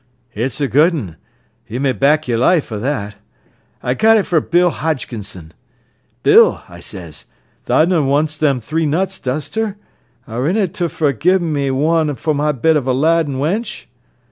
"It's a good un, you may back yer life o' that. I got it fra' Bill Hodgkisson. 'Bill,' I says, 'tha non wants them three nuts, does ter? Arena ter for gi'ein' me one for my bit of a lad an' wench?